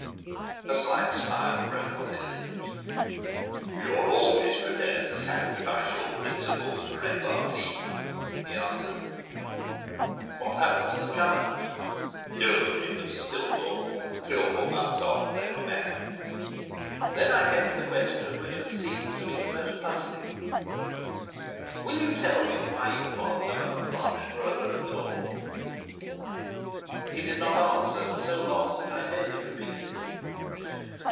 A slight smile broke on his lips. "You are always prepared to sacrifice your principles for a repartee," he answered. "What happened to the child?" "Oh, it was still born, three or four months after they were married." Then I came to the question which had seemed to me most puzzling. "Will you tell me why you bothered about Blanche Stroeve at all?" He did not answer for so long that I nearly repeated it.